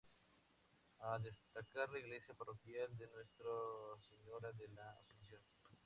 A destacar la iglesia parroquial de Nuestra Señora de la Asunción.